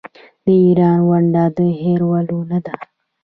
د ایران ونډه د هیرولو نه ده.